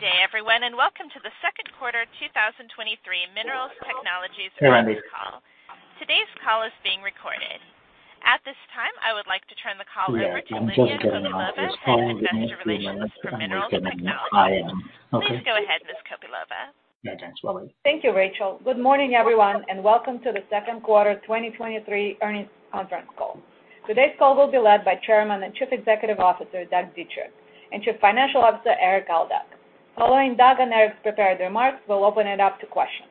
Good day, everyone, and welcome to the Second Quarter 2023 Minerals Technologies Earnings Call. Today's call is being recorded. At this time, I would like to turn the call over to Lydia Kopylova, Investor Relations for Minerals Technologies. Please go ahead, Ms. Kopylova. Yeah, thanks, Lydia. Thank you, Rachel. Good morning, everyone, welcome to the Second Quarter 2023 Earnings Conference Call. Today's call will be led by Chairman and Chief Executive Officer, Doug Dietrich, and Chief Financial Officer, Erik Aldag. Following Doug and Erik's prepared remarks, we'll open it up to questions.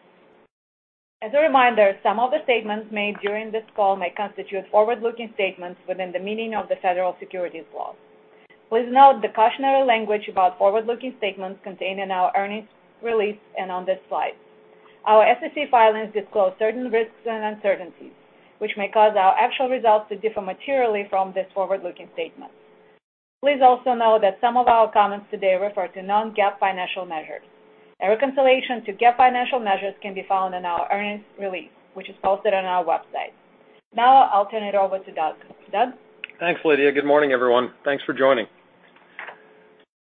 As a reminder, some of the statements made during this call may constitute forward-looking statements within the meaning of the federal securities laws. Please note the cautionary language about forward-looking statements contained in our earnings release and on this slide. Our SEC filings disclose certain risks and uncertainties, which may cause our actual results to differ materially from this forward-looking statement. Please also know that some of our comments today refer to non-GAAP financial measures. A reconciliation to GAAP financial measures can be found in our earnings release, which is posted on our website. Now I'll turn it over to Doug. Doug? Thanks, Lydia. Good morning, everyone. Thanks for joining.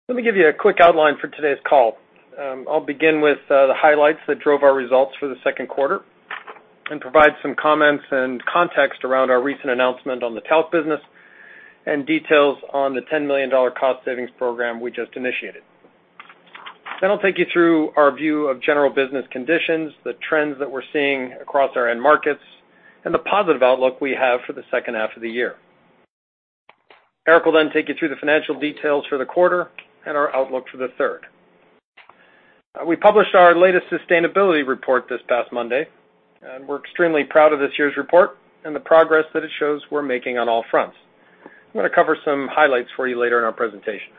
Let me give you a quick outline for today's call. I'll begin with the highlights that drove our results for the second quarter and provide some comments and context around our recent announcement on the talc business, and details on the $10 million cost savings program we just initiated. I'll take you through our view of general business conditions, the trends that we're seeing across our end markets, and the positive outlook we have for the second half of the year. Erik will then take you through the financial details for the quarter and our outlook for the third. We published our latest sustainability report this past Monday, and we're extremely proud of this year's report and the progress that it shows we're making on all fronts. I'm going to cover some highlights for you later in our presentation.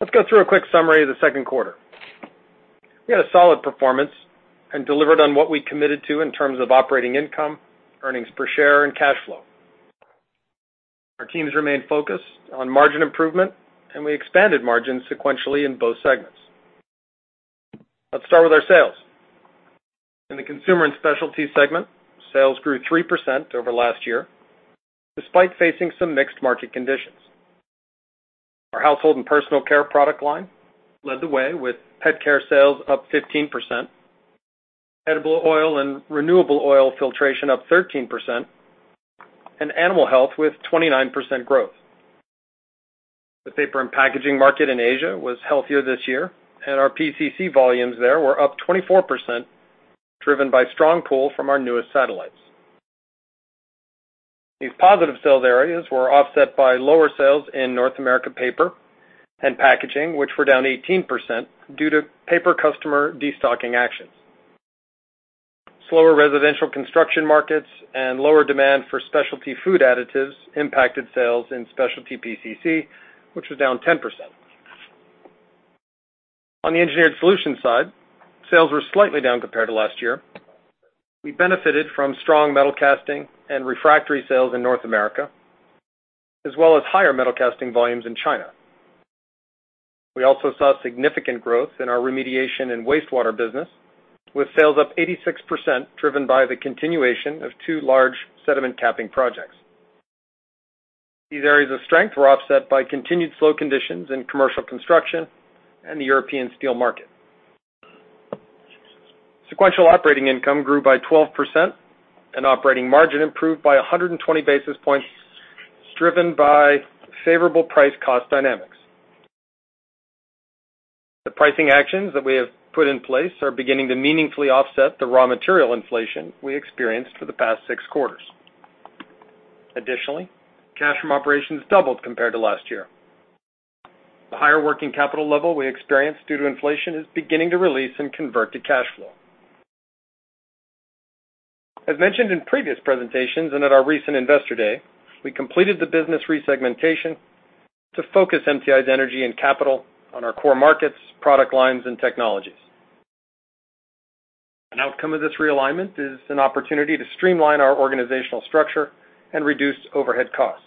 Let's go through a quick summary of the second quarter. We had a solid performance and delivered on what we committed to in terms of operating income, earnings per share, and cash flow. Our teams remained focused on margin improvement, and we expanded margins sequentially in both segments. Let's start with our sales. In the Consumer & Specialties segment, sales grew 3% over last year, despite facing some mixed market conditions. Our Household & Personal Care product line led the way, with pet care sales up 15%, edible oil and renewable oil filtration up 13%, and animal health with 29% growth. The paper and packaging market in Asia was healthier this year, and our PCC volumes there were up 24%, driven by strong pull from our newest satellites. These positive sales areas were offset by lower sales in North America paper and packaging, which were down 18% due to paper customer destocking actions. Slower residential construction markets and lower demand for specialty food additives impacted sales in Specialty PCC, which was down 10%. On the Engineered Solutions side, sales were slightly down compared to last year. We benefited from strong metal casting and refractory sales in North America, as well as higher metal casting volumes in China. We also saw significant growth in our remediation and wastewater business, with sales up 86%, driven by the continuation of two large sediment capping projects. These areas of strength were offset by continued slow conditions in commercial construction and the European steel market. Sequential operating income grew by 12%, and operating margin improved by 120 basis points, driven by favorable price cost dynamics. The pricing actions that we have put in place are beginning to meaningfully offset the raw material inflation we experienced for the past six quarters. Additionally, cash from operations doubled compared to last year. The higher working capital level we experienced due to inflation is beginning to release and convert to cash flow. As mentioned in previous presentations and at our recent Investor Day, we completed the business resegmentation to focus MTI's energy and capital on our core markets, product lines, and technologies. An outcome of this realignment is an opportunity to streamline our organizational structure and reduce overhead costs.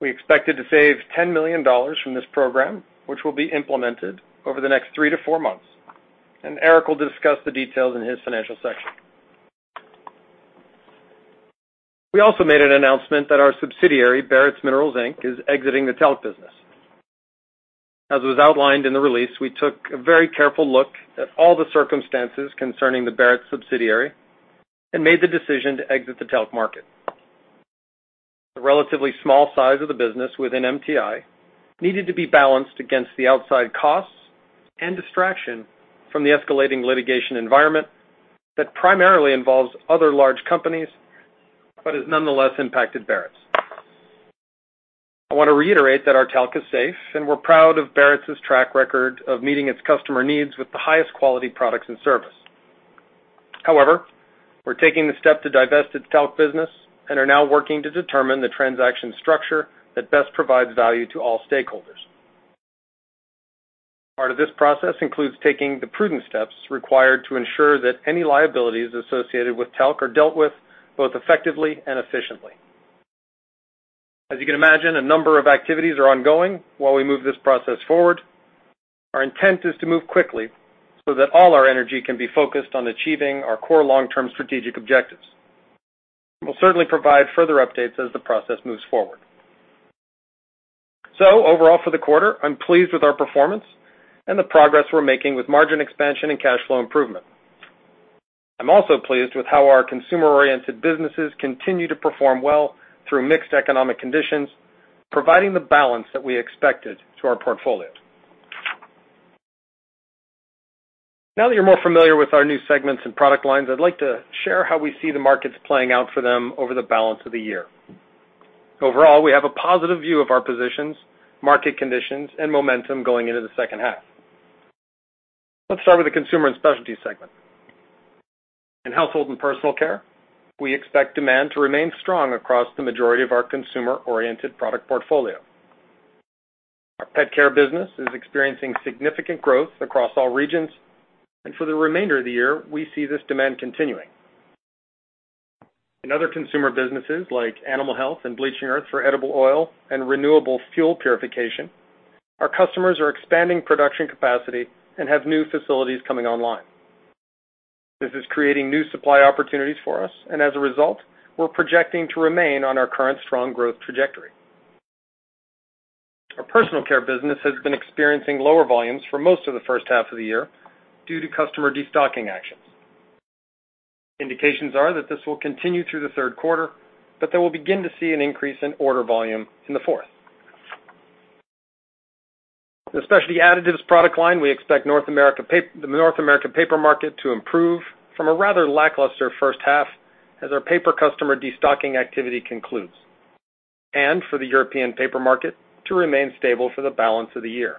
We expected to save $10 million from this program, which will be implemented over the next three to four months, and Eric will discuss the details in his financial section. We also made an announcement that our subsidiary, Barretts Minerals, Inc., is exiting the talc business. As was outlined in the release, we took a very careful look at all the circumstances concerning the Barretts subsidiary and made the decision to exit the talc market. The relatively small size of the business within MTI needed to be balanced against the outside costs and distraction from the escalating litigation environment that primarily involves other large companies, but has nonetheless impacted Barretts. I want to reiterate that our talc is safe, and we're proud of Barretts' track record of meeting its customer needs with the highest quality products and service. However, we're taking the step to divest its talc business and are now working to determine the transaction structure that best provides value to all stakeholders. Part of this process includes taking the prudent steps required to ensure that any liabilities associated with talc are dealt with both effectively and efficiently. As you can imagine, a number of activities are ongoing while we move this process forward. Our intent is to move quickly so that all our energy can be focused on achieving our core long-term strategic objectives.... We'll certainly provide further updates as the process moves forward. Overall, for the quarter, I'm pleased with our performance and the progress we're making with margin expansion and cash flow improvement. I'm also pleased with how our consumer-oriented businesses continue to perform well through mixed economic conditions, providing the balance that we expected to our portfolios. Now that you're more familiar with our new segments and product lines, I'd like to share how we see the markets playing out for them over the balance of the year. Overall, we have a positive view of our positions, market conditions, and momentum going into the second half. Let's start with the Consumer & Specialties segment. In Household & Personal Care, we expect demand to remain strong across the majority of our consumer-oriented product portfolio. Our pet care business is experiencing significant growth across all regions, and for the remainder of the year, we see this demand continuing. In other consumer businesses, like animal health and Bleaching Earth for edible oil and renewable fuel purification, our customers are expanding production capacity and have new facilities coming online. This is creating new supply opportunities for us, and as a result, we're projecting to remain on our current strong growth trajectory. Our personal care business has been experiencing lower volumes for most of the first half of the year due to customer destocking actions. Indications are that this will continue through the third quarter, but they will begin to see an increase in order volume in the fourth. In Specialty Additives product line, we expect the North American paper market to improve from a rather lackluster first half as our paper customer destocking activity concludes, and for the European paper market to remain stable for the balance of the year.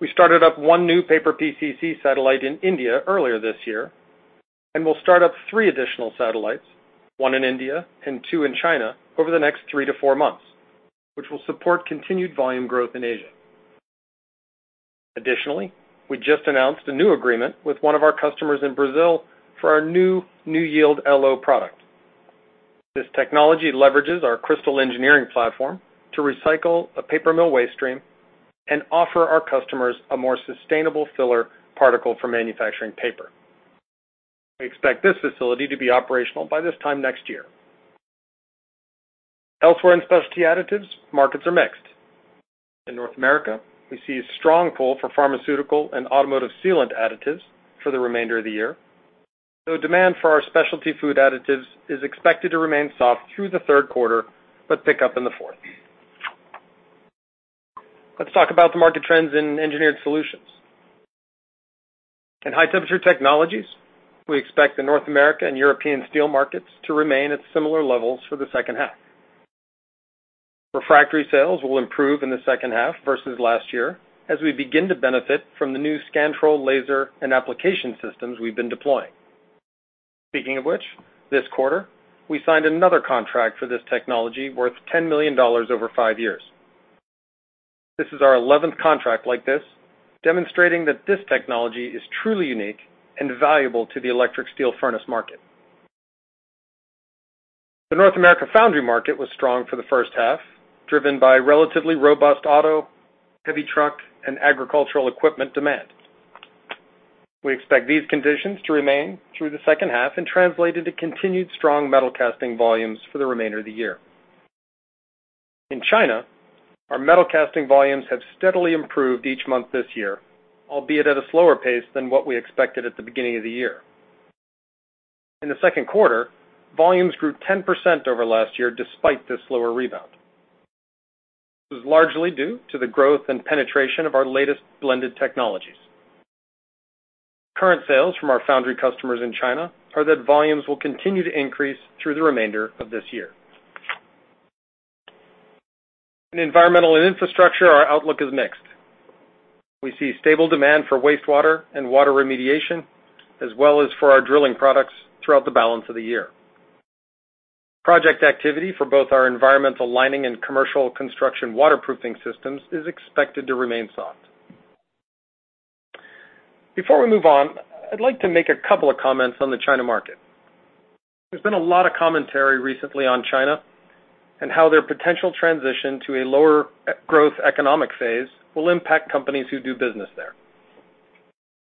We started up one new paper PCC satellite in India earlier this year, and we'll start up three additional satellites, one in India and two in China, over the next three to four months, which will support continued volume growth in Asia. Additionally, we just announced a new agreement with one of our customers in Brazil for our new NewYield LO product. This technology leverages our Crystal Engineering platform to recycle a paper mill waste stream and offer our customers a more sustainable filler particle for manufacturing paper. We expect this facility to be operational by this time next year. Elsewhere in Specialty Additives, markets are mixed. In North America, we see a strong pull for pharmaceutical and automotive sealant additives for the remainder of the year, though demand for our specialty food additives is expected to remain soft through the third quarter, but pick up in the fourth. Let's talk about the market trends in Engineered Solutions. In High-Temperature Technologies, we expect the North America and European steel markets to remain at similar levels for the second half. Refractory sales will improve in the second half versus last year as we begin to benefit from the new SCANtrol laser and application systems we've been deploying. Speaking of which, this quarter, we signed another contract for this technology worth $10 million over 5 years. This is our 11th contract like this, demonstrating that this technology is truly unique and valuable to the electric steel furnace market. The North America foundry market was strong for the first half, driven by relatively robust auto, heavy truck, and agricultural equipment demand. We expect these conditions to remain through the second half and translate into continued strong metal casting volumes for the remainder of the year. In China, our metal casting volumes have steadily improved each month this year, albeit at a slower pace than what we expected at the beginning of the year. In the second quarter, volumes grew 10% over last year, despite this slower rebound. This is largely due to the growth and penetration of our latest blended technologies. Current sales from our foundry customers in China are that volumes will continue to increase through the remainder of this year. In Environmental & Infrastructure, our outlook is mixed. We see stable demand for wastewater and water remediation, as well as for our drilling products throughout the balance of the year. Project activity for both our environmental lining and commercial construction waterproofing systems is expected to remain soft. Before we move on, I'd like to make a couple of comments on the China market. There's been a lot of commentary recently on China and how their potential transition to a lower growth economic phase will impact companies who do business there.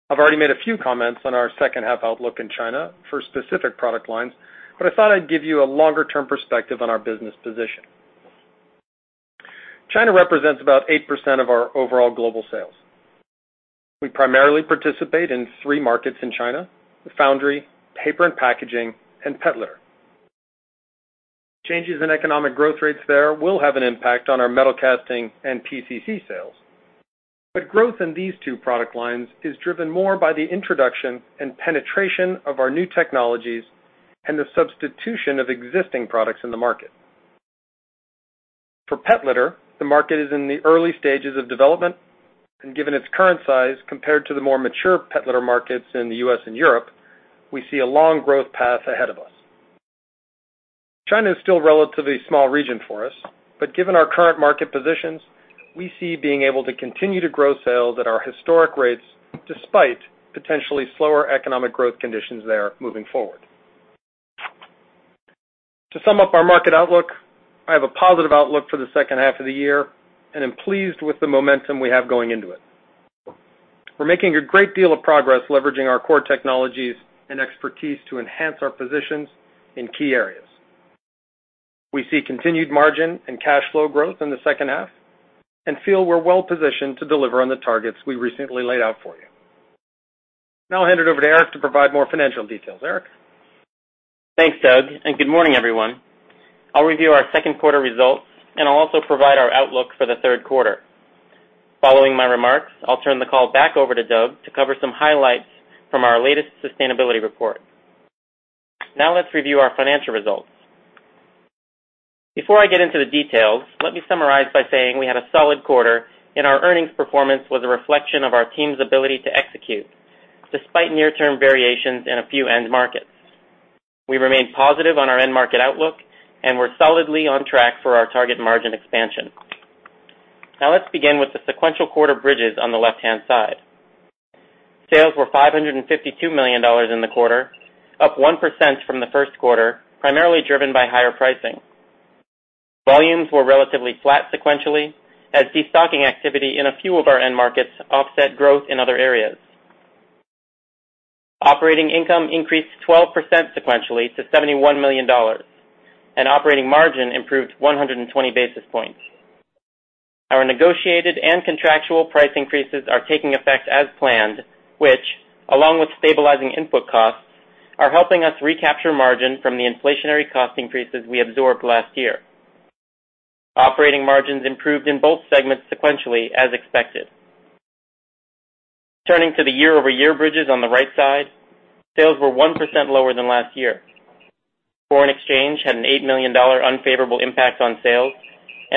I've already made a few comments on our second half outlook in China for specific product lines, but I thought I'd give you a longer-term perspective on our business position. China represents about 8% of our overall global sales. We primarily participate in 3 markets in China: foundry, paper and packaging, and pet litter. Changes in economic growth rates there will have an impact on our metal casting and PCC sales, but growth in these two product lines is driven more by the introduction and penetration of our new technologies and the substitution of existing products in the market. For pet litter, the market is in the early stages of development, and given its current size compared to the more mature pet litter markets in the US and Europe, we see a long growth path ahead of us. China is still a relatively small region for us, but given our current market positions, we see being able to continue to grow sales at our historic rates, despite potentially slower economic growth conditions there moving forward. To sum up our market outlook, I have a positive outlook for the second half of the year and am pleased with the momentum we have going into it. We're making a great deal of progress leveraging our core technologies and expertise to enhance our positions in key areas. We see continued margin and cash flow growth in the second half, and feel we're well positioned to deliver on the targets we recently laid out for you. I'll hand it over to Eric to provide more financial details. Eric? Thanks, Doug. Good morning, everyone. I'll review our second quarter results, and I'll also provide our outlook for the third quarter. Following my remarks, I'll turn the call back over to Doug to cover some highlights from our latest sustainability report. Now let's review our financial results. Before I get into the details, let me summarize by saying we had a solid quarter, and our earnings performance was a reflection of our team's ability to execute, despite near-term variations in a few end markets. We remain positive on our end market outlook, and we're solidly on track for our target margin expansion. Now let's begin with the sequential quarter bridges on the left-hand side. Sales were $552 million in the quarter, up 1% from the first quarter, primarily driven by higher pricing. Volumes were relatively flat sequentially, as destocking activity in a few of our end markets offset growth in other areas. Operating income increased 12% sequentially to $71 million. Operating margin improved 120 basis points. Our negotiated and contractual price increases are taking effect as planned, which, along with stabilizing input costs, are helping us recapture margin from the inflationary cost increases we absorbed last year. Operating margins improved in both segments sequentially, as expected. Turning to the year-over-year bridges on the right side, sales were 1% lower than last year. Foreign exchange had an $8 million unfavorable impact on sales.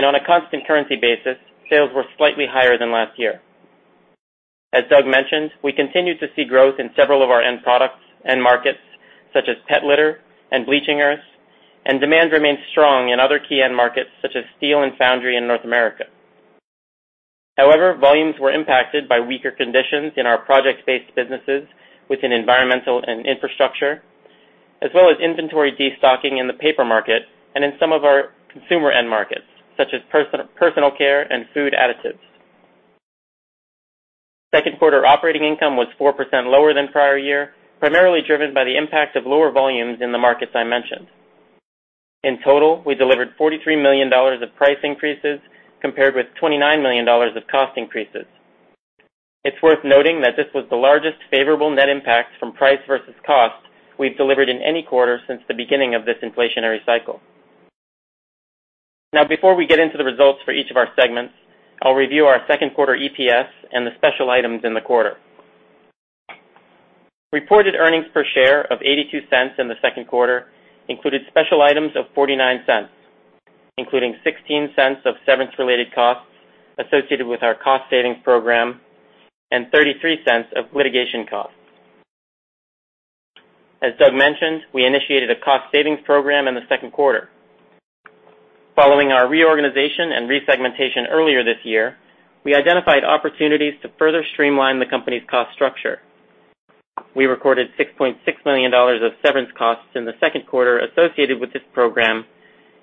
On a constant currency basis, sales were slightly higher than last year. As Doug mentioned, we continued to see growth in several of our end products, end markets, such as pet litter and Bleaching Earths, and demand remains strong in other key end markets, such as steel and foundry in North America. Volumes were impacted by weaker conditions in our project-based businesses within Environmental & Infrastructure, as well as inventory destocking in the paper market and in some of our consumer end markets, such as Personal Care and food additives. Second quarter operating income was 4% lower than prior year, primarily driven by the impact of lower volumes in the markets I mentioned. In total, we delivered $43 million of price increases compared with $29 million of cost increases. It's worth noting that this was the largest favorable net impact from price versus cost we've delivered in any quarter since the beginning of this inflationary cycle. Before we get into the results for each of our segments, I'll review our second quarter EPS and the special items in the quarter. Reported earnings per share of $0.82 in the second quarter included special items of $0.49, including $0.16 of severance-related costs associated with our cost savings program and $0.33 of litigation costs. As Doug mentioned, we initiated a cost savings program in the second quarter. Following our reorganization and resegmentation earlier this year, we identified opportunities to further streamline the company's cost structure. We recorded $6.6 million of severance costs in the second quarter associated with this program,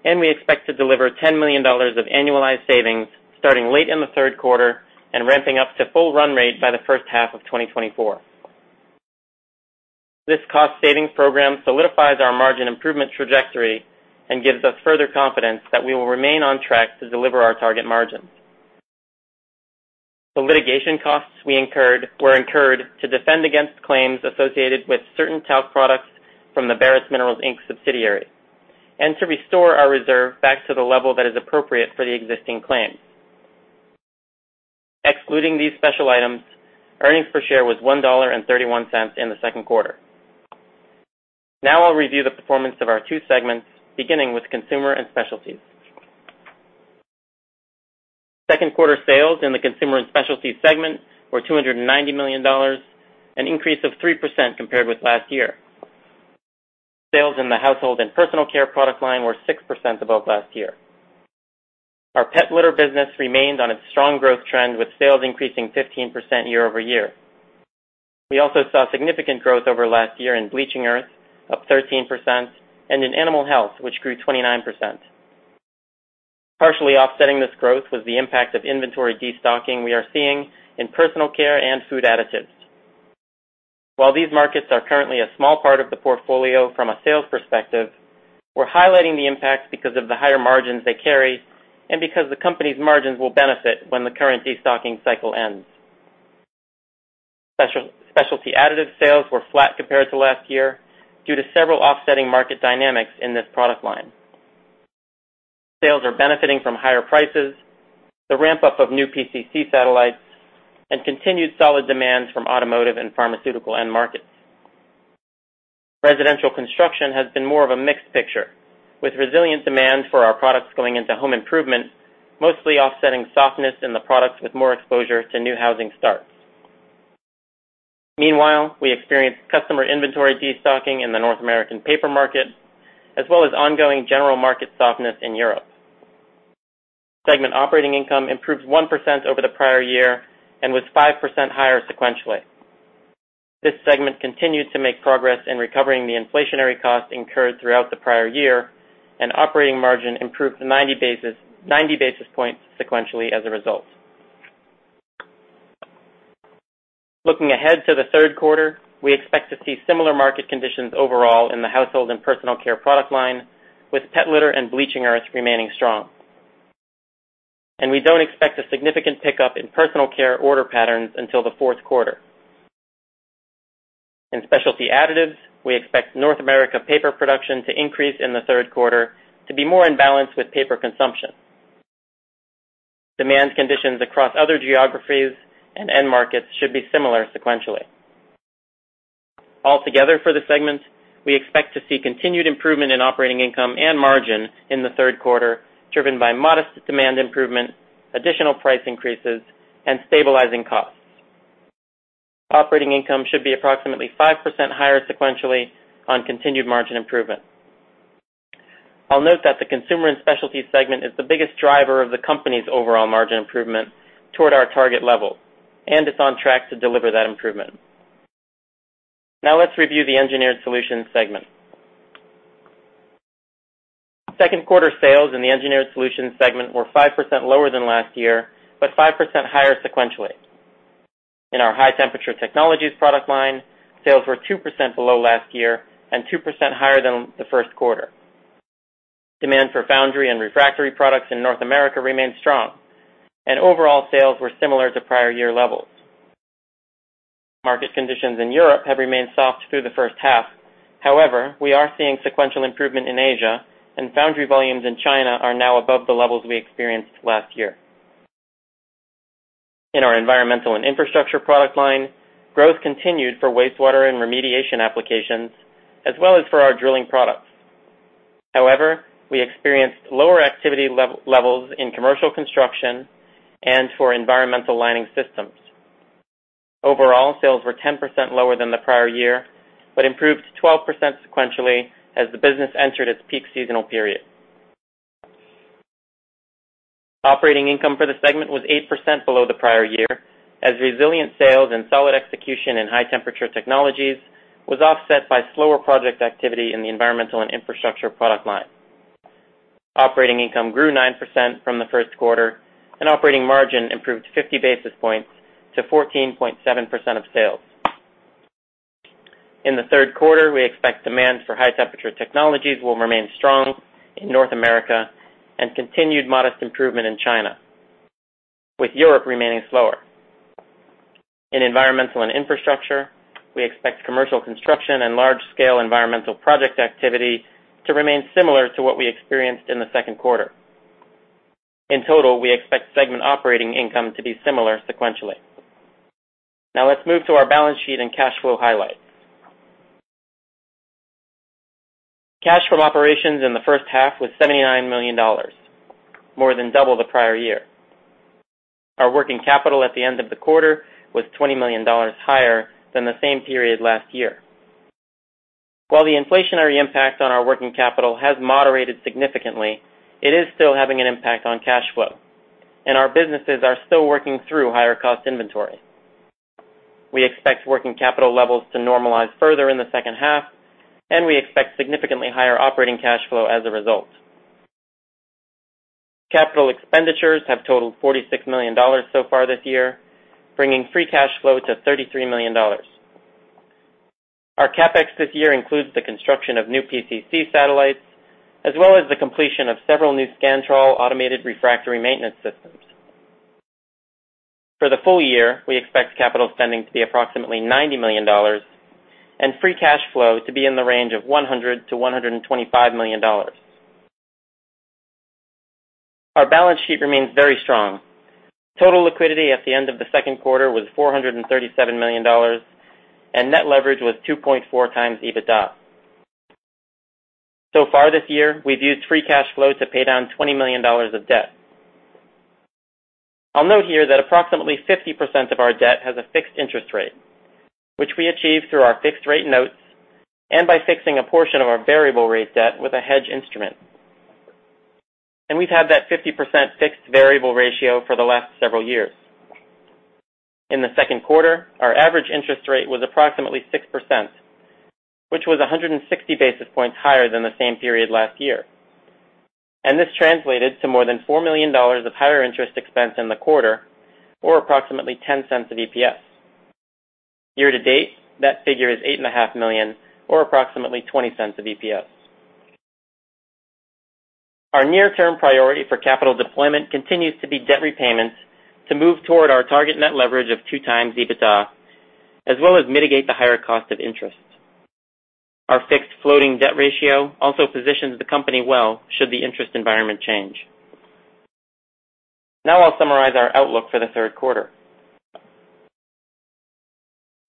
we expect to deliver $10 million of annualized savings starting late in the third quarter and ramping up to full run rate by the first half of 2024. This cost savings program solidifies our margin improvement trajectory and gives us further confidence that we will remain on track to deliver our target margins. The litigation costs we incurred were incurred to defend against claims associated with certain talc products from the Barretts Minerals, Inc. subsidiary, and to restore our reserve back to the level that is appropriate for the existing claims. Excluding these special items, earnings per share was $1.31 in the second quarter. I'll review the performance of our two segments, beginning with Consumer & Specialties. Second quarter sales in the Consumer & Specialties segment were $290 million, an increase of 3% compared with last year. Sales in the Household and Personal Care product line were 6% above last year. Our pet litter business remained on its strong growth trend, with sales increasing 15% year-over-year. We also saw significant growth over last year in Bleaching Earth, up 13%, and in animal health, which grew 29%. Partially offsetting this growth was the impact of inventory destocking we are seeing in personal care and food additives. While these markets are currently a small part of the portfolio from a sales perspective, we're highlighting the impacts because of the higher margins they carry and because the company's margins will benefit when the current destocking cycle ends. Specialty Additives sales were flat compared to last year due to several offsetting market dynamics in this product line. Sales are benefiting from higher prices, the ramp-up of new PCC satellites, and continued solid demand from automotive and pharmaceutical end markets. Residential construction has been more of a mixed picture, with resilient demand for our products going into home improvement, mostly offsetting softness in the products with more exposure to new housing starts. Meanwhile, we experienced customer inventory destocking in the North American paper market, as well as ongoing general market softness in Europe. Segment operating income improved 1% over the prior year and was 5% higher sequentially. This segment continues to make progress in recovering the inflationary costs incurred throughout the prior year, and operating margin improved 90 basis points sequentially as a result. Looking ahead to the third quarter, we expect to see similar market conditions overall in the Household and Personal Care product line, with pet litter and Bleaching Earth remaining strong. We don't expect a significant pickup in personal care order patterns until the fourth quarter. In Specialty Additives, we expect North America paper production to increase in the third quarter to be more in balance with paper consumption. Demand conditions across other geographies and end markets should be similar sequentially. Altogether, for the segment, we expect to see continued improvement in operating income and margin in the third quarter, driven by modest demand improvement, additional price increases, and stabilizing costs. Operating income should be approximately 5% higher sequentially on continued margin improvement. I'll note that the Consumer and Specialty segment is the biggest driver of the company's overall margin improvement toward our target level, and it's on track to deliver that improvement. Let's review the Engineered Solutions segment. Second quarter sales in the Engineered Solutions segment were 5% lower than last year, but 5% higher sequentially. In our High-Temperature Technologies product line, sales were 2% below last year and 2% higher than the 1st quarter. Demand for foundry and refractory products in North America remained strong, and overall sales were similar to prior year levels. Market conditions in Europe have remained soft through the 1st half. However, we are seeing sequential improvement in Asia, and foundry volumes in China are now above the levels we experienced last year. In our Environmental & Infrastructure product line, growth continued for wastewater and remediation applications, as well as for our drilling products. However, we experienced lower activity levels in commercial construction and for environmental lining systems. Overall, sales were 10% lower than the prior year, but improved 12% sequentially as the business entered its peak seasonal period. Operating income for the segment was 8% below the prior year, as resilient sales and solid execution in High-Temperature Technologies was offset by slower project activity in the Environmental & Infrastructure product line. Operating income grew 9% from the first quarter, and operating margin improved 50 basis points to 14.7% of sales. In the third quarter, we expect demand for High-Temperature Technologies will remain strong in North America, and continued modest improvement in China, with Europe remaining slower. In Environmental & Infrastructure, we expect commercial construction and large-scale environmental project activity to remain similar to what we experienced in the second quarter. In total, we expect segment operating income to be similar sequentially. Now let's move to our balance sheet and cash flow highlights. Cash from operations in the first half was $79 million, more than double the prior year. Our working capital at the end of the quarter was $20 million higher than the same period last year. While the inflationary impact on our working capital has moderated significantly, it is still having an impact on cash flow, and our businesses are still working through higher cost inventory. We expect working capital levels to normalize further in the second half, and we expect significantly higher operating cash flow as a result. Capital expenditures have totaled $46 million so far this year, bringing free cash flow to $33 million. Our CapEx this year includes the construction of new PCC satellites, as well as the completion of several new SCANtrol automated refractory maintenance systems. For the full year, we expect capital spending to be approximately $90 million, and free cash flow to be in the range of $100 million-$125 million. Our balance sheet remains very strong. Total liquidity at the end of the second quarter was $437 million, and net leverage was 2.4 times EBITDA. So far this year, we've used free cash flow to pay down $20 million of debt. I'll note here that approximately 50% of our debt has a fixed interest rate, which we achieve through our fixed rate notes and by fixing a portion of our variable rate debt with a hedge instrument. We've had that 50% fixed variable ratio for the last several years. In the second quarter, our average interest rate was approximately 6%, which was 160 basis points higher than the same period last year. This translated to more than $4 million of higher interest expense in the quarter, or approximately $0.10 of EPS. Year to date, that figure is $8.5 million, or approximately $0.20 of EPS. Our near-term priority for capital deployment continues to be debt repayments to move toward our target net leverage of 2 times EBITDA, as well as mitigate the higher cost of interest. Our fixed floating debt ratio also positions the company well, should the interest environment change. I'll summarize our outlook for the third quarter.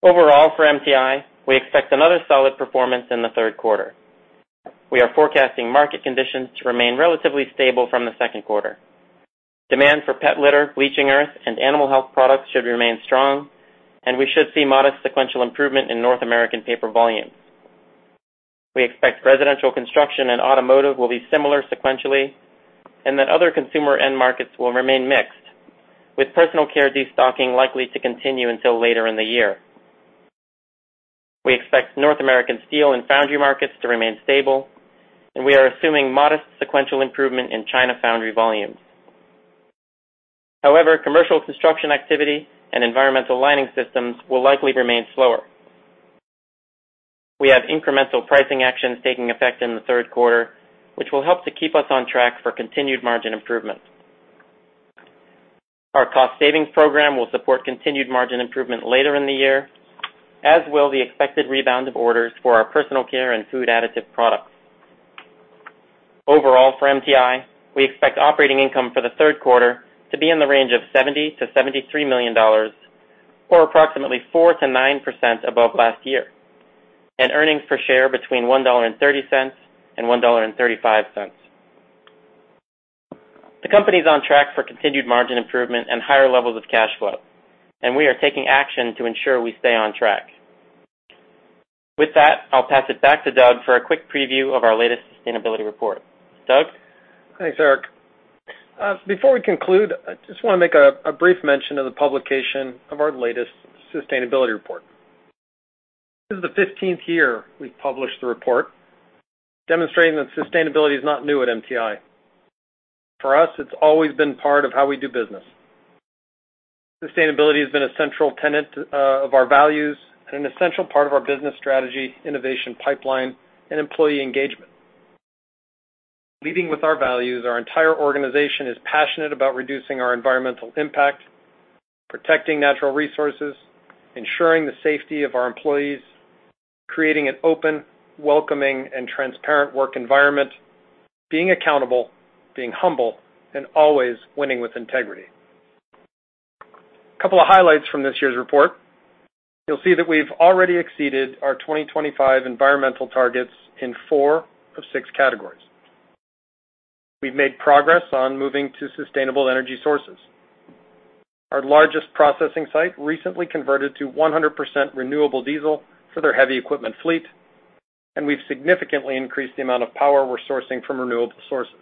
Overall, for MTI, we expect another solid performance in the third quarter. We are forecasting market conditions to remain relatively stable from the second quarter. Demand for pet litter, Bleaching Earth, and animal health products should remain strong, and we should see modest sequential improvement in North American paper volumes. We expect residential construction and automotive will be similar sequentially, and that other consumer end markets will remain mixed, with personal care destocking likely to continue until later in the year. We expect North American steel and foundry markets to remain stable, and we are assuming modest sequential improvement in China foundry volumes. However, commercial construction activity and environmental lining systems will likely remain slower. We have incremental pricing actions taking effect in the third quarter, which will help to keep us on track for continued margin improvement. Our cost savings program will support continued margin improvement later in the year, as will the expected rebound of orders for our personal care and food additive products. Overall, for MTI, we expect operating income for the third quarter to be in the range of $70 million-$73 million, or approximately 4%-9% above last year, and earnings per share between $1.30 and $1.35. The company is on track for continued margin improvement and higher levels of cash flow, and we are taking action to ensure we stay on track. With that, I'll pass it back to Doug for a quick preview of our latest sustainability report. Doug? Thanks, Eric. Before we conclude, I just want to make a brief mention of the publication of our latest sustainability report. This is the 15th year we've published the report, demonstrating that sustainability is not new at MTI. For us, it's always been part of how we do business. Sustainability has been a central tenet of our values and an essential part of our business strategy, innovation pipeline, and employee engagement. Leading with our values, our entire organization is passionate about reducing our environmental impact, protecting natural resources, ensuring the safety of our employees, creating an open, welcoming, and transparent work environment, being accountable, being humble, and always winning with integrity. A couple of highlights from this year's report. You'll see that we've already exceeded our 2025 environmental targets in four of six categories. We've made progress on moving to sustainable energy sources. Our largest processing site recently converted to 100% renewable diesel for their heavy equipment fleet, and we've significantly increased the amount of power we're sourcing from renewable sources.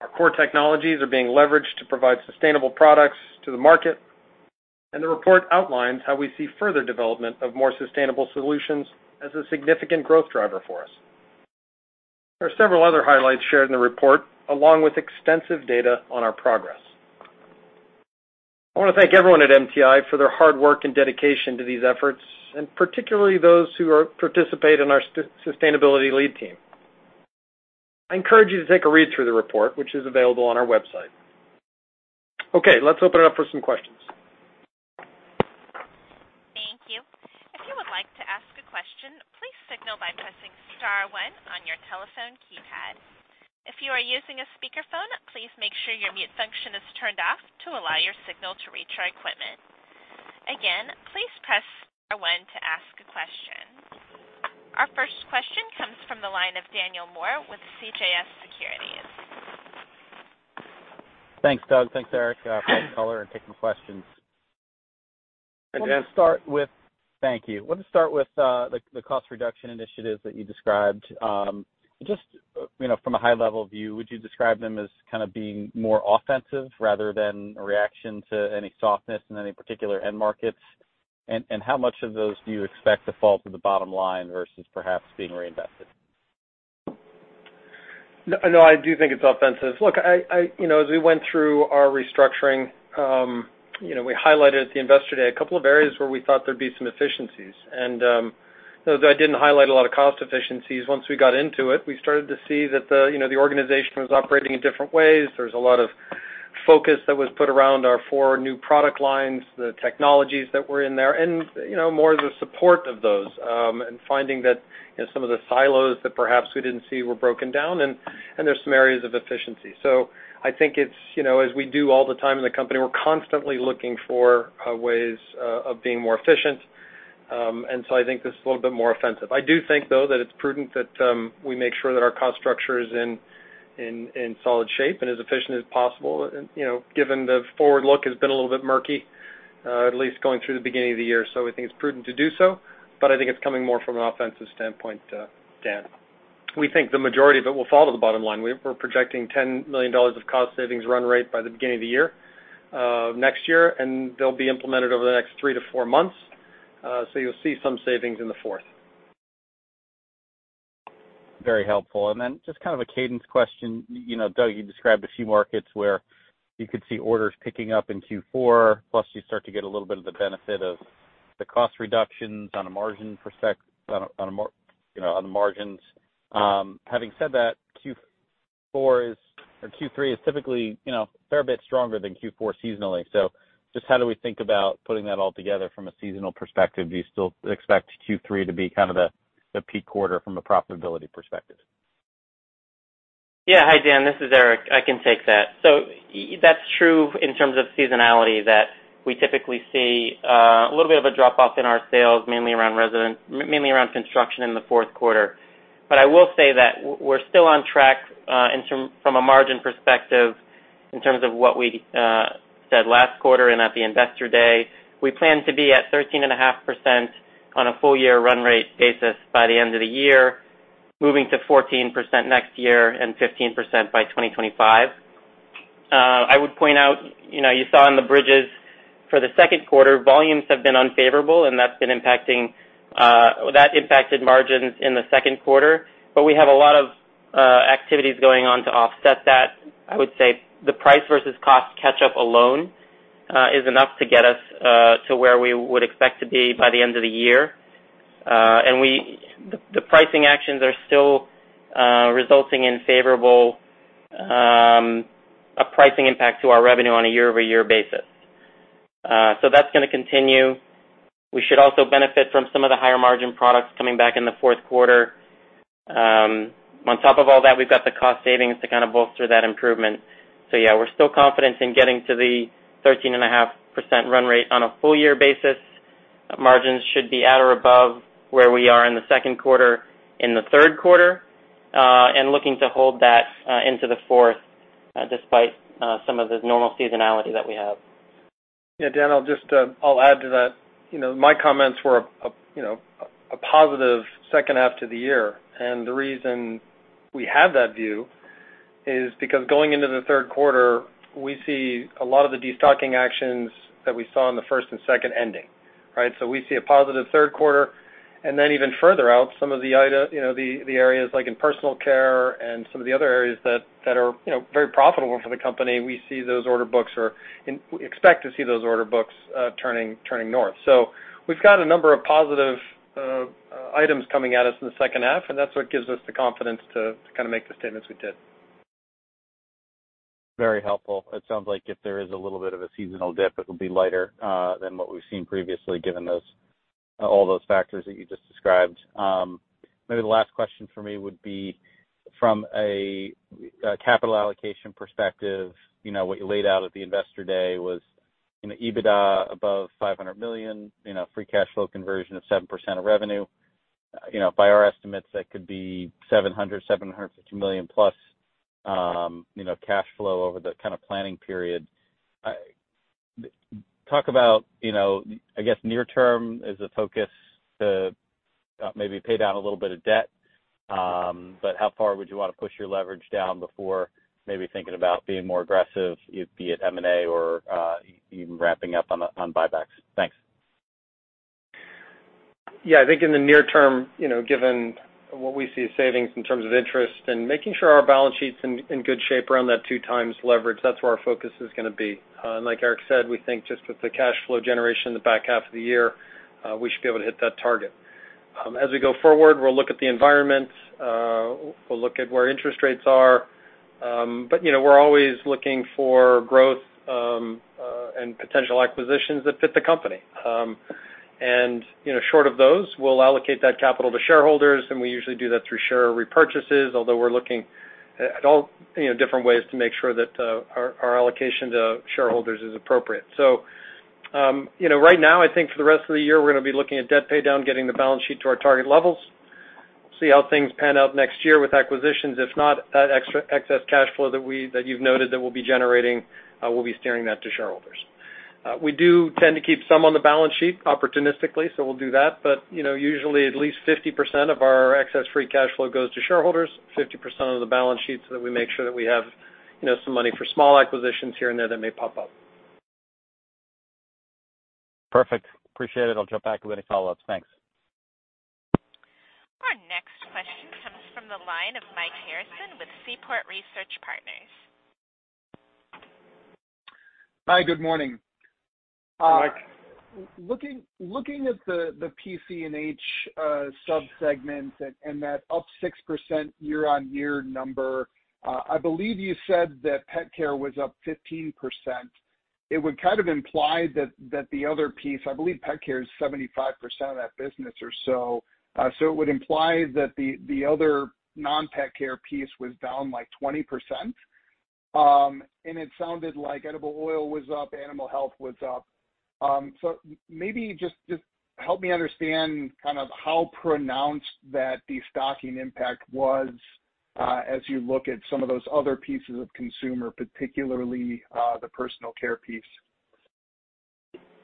Our core technologies are being leveraged to provide sustainable products to the market, and the report outlines how we see further development of more sustainable solutions as a significant growth driver for us. There are several other highlights shared in the report, along with extensive data on our progress. I want to thank everyone at MTI for their hard work and dedication to these efforts, and particularly those who participate in our Sustainability Lead Team. I encourage you to take a read through the report, which is available on our website. Okay, let's open it up for some questions. Thank you. If you would like to ask a question, please signal by pressing star one on your telephone keypad. If you are using a speakerphone, please make sure your mute function is turned off to allow your signal to reach our equipment. Again, please press star one to ask a question. Our first question comes from the line of Daniel Moore with CJS Securities. Thanks, Doug. Thanks, Eric. Thanks for taking questions. Hi, Dan. Thank you. Let me start with the cost reduction initiatives that you described. Just, you know, from a high-level view, would you describe them as kind of being more offensive rather than a reaction to any softness in any particular end markets? How much of those do you expect to fall to the bottom line versus perhaps being reinvested? No, I do think it's offensive. Look, I, you know, as we went through our restructuring, you know, we highlighted at the Investor Day a couple of areas where we thought there'd be some efficiencies. Though I didn't highlight a lot of cost efficiencies, once we got into it, we started to see that the, you know, the organization was operating in different ways. There was a lot of focus that was put around our four new product lines, the technologies that were in there, and, you know, more of the support of those, and finding that, you know, some of the silos that perhaps we didn't see were broken down and, and there's some areas of efficiency. I think it's, you know, as we do all the time in the company, we're constantly looking for ways of being more efficient. I think this is a little bit more offensive. I do think, though, that it's prudent that we make sure that our cost structure is in solid shape and as efficient as possible, and, you know, given the forward look has been a little bit murky, at least going through the beginning of the year. I think it's prudent to do so, but I think it's coming more from an offensive standpoint, Dan. We think the majority of it will fall to the bottom line. We're projecting $10 million of cost savings run rate by the beginning of the year, next year, and they'll be implemented over the next 3 to 4 months. You'll see some savings in the fourth. Very helpful. Just kind of a cadence question. You know, Doug, you described a few markets where you could see orders picking up in Q4, plus you start to get a little bit of the benefit of the cost reductions on a margin, you know, on the margins. Having said that, Q4 is, or Q3 is typically, you know, a fair bit stronger than Q4 seasonally. Just how do we think about putting that all together from a seasonal perspective? Do you still expect Q3 to be kind of the, the peak quarter from a profitability perspective? Yeah. Hi, Daniel Moore, this is Erik Aldag. I can take that. Y- that's true in terms of seasonality, that we typically see a little bit of a drop-off in our sales, mainly around resident-- mainly around construction in the fourth quarter. I will say that w-we're still on track in term- from a margin perspective, in terms of what we said last quarter and at the Investor Day. We plan to be at 13.5% on a full year run rate basis by the end of the year, moving to 14% next year and 15% by 2025. I would point out, you know, you saw in the bridges for the second quarter, volumes have been unfavorable, and that's been impacting, that impacted margins in the second quarter. We have a lot of activities going on to offset that. I would say the price versus cost catch-up alone is enough to get us to where we would expect to be by the end of the year. We, the pricing actions are still resulting in favorable a pricing impact to our revenue on a year-over-year basis. That's gonna continue. We should also benefit from some of the higher margin products coming back in the fourth quarter. On top of all that, we've got the cost savings to kind of bolster that improvement. Yeah, we're still confident in getting to the 13.5% run rate on a full year basis. Margins should be at or above where we are in the second quarter, in the third quarter, and looking to hold that into the fourth, despite some of the normal seasonality that we have. Yeah, Dan, I'll just, I'll add to that. You know, my comments were a positive second half to the year. The reason we have that view is because going into the third quarter, we see a lot of the destocking actions that we saw in the first and second ending, right? We see a positive third quarter, and then even further out, some of the areas like in Personal Care and some of the other areas that are, you know, very profitable for the company, we see those order books expect to see those order books turning, turning north. We've got a number of positive items coming at us in the second half, and that's what gives us the confidence to kind of make the statements we did. Very helpful. It sounds like if there is a little bit of a seasonal dip, it'll be lighter than what we've seen previously, given those all those factors that you just described. Maybe the last question for me would be from a capital allocation perspective, you know, what you laid out at the Investor Day was, you know, EBITDA above $500 million, you know, free cash flow conversion of 7% of revenue. You know, by our estimates, that could be $700 million-$750 million plus, you know, cash flow over the kind of planning period. Talk about, you know, I guess near term is a focus to maybe pay down a little bit of debt. How far would you want to push your leverage down before maybe thinking about being more aggressive, it be it M&A or even wrapping up on buybacks? Thanks. Yeah, I think in the near term, you know, given what we see as savings in terms of interest and making sure our balance sheet's in, in good shape around that 2 times leverage, that's where our focus is gonna be. Like Eric said, we think just with the cash flow generation in the back half of the year, we should be able to hit that target. As we go forward, we'll look at the environment, we'll look at where interest rates are, but, you know, we're always looking for growth, and potential acquisitions that fit the company. You know, short of those, we'll allocate that capital to shareholders, and we usually do that through share repurchases, although we're looking at, at all, you know, different ways to make sure that, our, our allocation to shareholders is appropriate. You know, right now, I think for the rest of the year, we're gonna be looking at debt paydown, getting the balance sheet to our target levels. See how things pan out next year with acquisitions. If not, that excess cash flow that we, that you've noted that we'll be generating, we'll be steering that to shareholders. We do tend to keep some on the balance sheet opportunistically, so we'll do that. You know, usually, at least 50% of our excess free cash flow goes to shareholders, 50% of the balance sheet, so that we make sure that we have, you know, some money for small acquisitions here and there that may pop up. Perfect. Appreciate it. I'll jump back with any follow-ups. Thanks. Our next question comes from the line of Mike Harrison with Seaport Research Partners. Hi, good morning. Hi, Mike. Looking, looking at the, the PC and H subsegments and, and that up 6% year-on-year number, I believe you said that pet care was up 15%. It would kind of imply that, that the other piece, I believe pet care is 75% of that business or so. It would imply that the, the other non-pet care piece was down, like, 20%. It sounded like edible oil was up, animal health was up. Maybe just, just help me understand kind of how pronounced that destocking impact was, as you look at some of those other pieces of consumer, particularly, the personal care piece.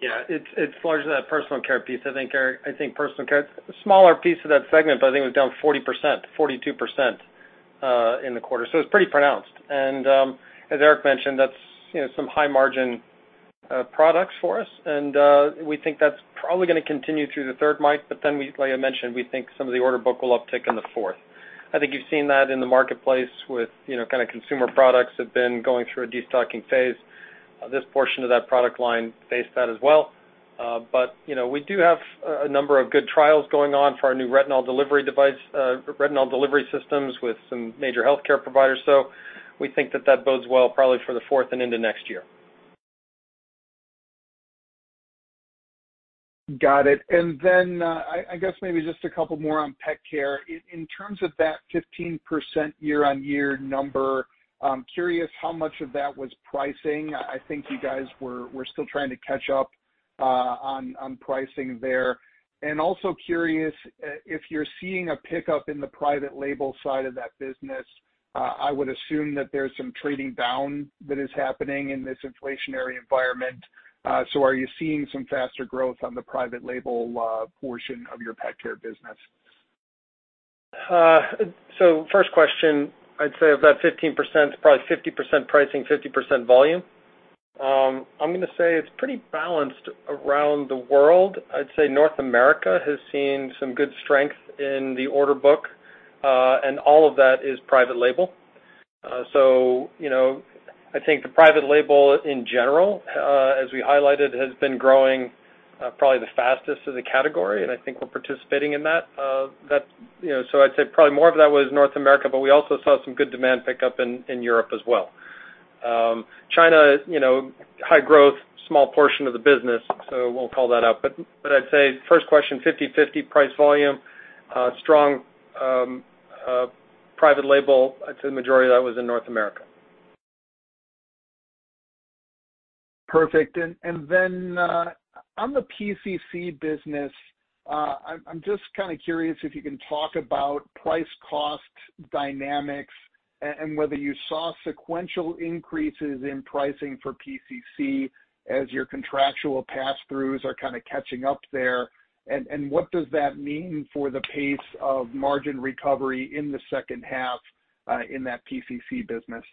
Yeah, it's, it's largely that Personal Care piece. I think, Eric, I think Personal Care, a smaller piece of that segment, but I think it was down 40%, 42%, in the quarter, it's pretty pronounced. As Eric mentioned, that's, you know, some high-margin products for us, we think that's probably gonna continue through the 3rd, Mike, we, like I mentioned, we think some of the order book will uptick in the 4th. I think you've seen that in the marketplace with, you know, kind of consumer products have been going through a destocking phase. This portion of that product line faced that as well. You know, we do have a number of good trials going on for our new retinol delivery system, retinol delivery systems with some major healthcare providers, so we think that that bodes well probably for the fourth and into next year. Got it. Then, I, I guess maybe just a couple more on pet care. In, in terms of that 15% year-on-year number, I'm curious how much of that was pricing. I think you guys were, were still trying to catch up on, on pricing there. Also curious, if you're seeing a pickup in the private label side of that business, I would assume that there's some trading down that is happening in this inflationary environment. Are you seeing some faster growth on the private label portion of your pet care business? First question, I'd say of that 15%, it's probably 50% pricing, 50% volume. I'm gonna say it's pretty balanced around the world. I'd say North America has seen some good strength in the order book, all of that is private label. You know, I think the private label in general, as we highlighted, has been growing, probably the fastest of the category, and I think we're participating in that. You know, I'd say probably more of that was North America, we also saw some good demand pickup in, in Europe as well. China, you know, high growth, small portion of the business, we'll call that out. I'd say first question, 50/50 price volume, strong, private label. I'd say the majority of that was in North America. Perfect. Then, on the PCC business, I'm just kind of curious if you can talk about price cost dynamics and whether you saw sequential increases in pricing for PCC as your contractual pass-throughs are kind of catching up there. What does that mean for the pace of margin recovery in the second half in that PCC business?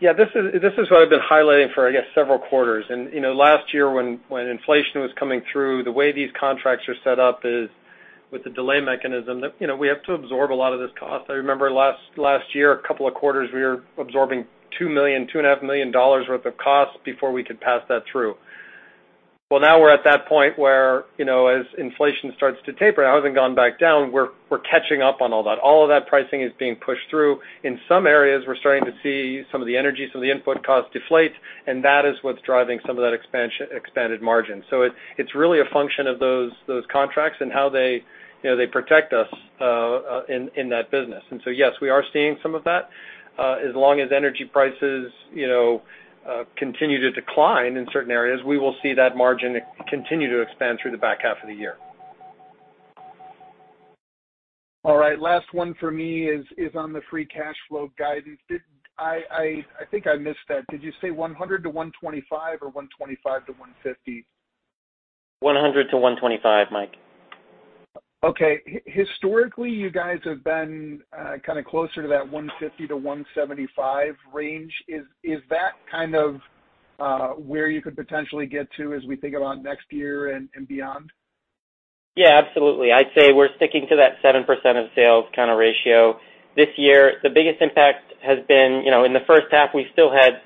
Yeah, this is, this is what I've been highlighting for, I guess, several quarters. You know, last year, when, when inflation was coming through, the way these contracts are set up is with the delay mechanism, that, you know, we have to absorb a lot of this cost. I remember last, last year, a couple of quarters, we were absorbing $2 million, $2.5 million worth of costs before we could pass that through. Well, now we're at that point where, you know, as inflation starts to taper, it hasn't gone back down, we're, we're catching up on all that. All of that pricing is being pushed through. In some areas, we're starting to see some of the energies of the input costs deflate, and that is what's driving some of that expansion, expanded margin. It's really a function of those, those contracts and how they, you know, they protect us in that business. Yes, we are seeing some of that. As long as energy prices, you know, continue to decline in certain areas, we will see that margin continue to expand through the back half of the year. All right. Last one for me is on the free cash flow guidance. I think I missed that. Did you say $100-$125 or $125-$150? $100-$125, Mike. Okay. Historically, you guys have been, kind of closer to that $1.50-$1.75 range. Is that kind of, where you could potentially get to as we think about next year and beyond? Yeah, absolutely. I'd say we're sticking to that 7% of sales kind of ratio. This year, the biggest impact has been, you know, in the first half, we still had